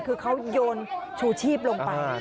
คือเขาโยนชูชีพลงไป